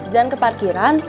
jangan ke parkiran